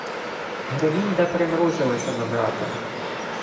Гримільда примружилася на брата: